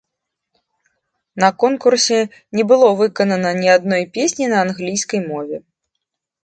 На конкурсе не было выканана ні адной песні на англійскай мове.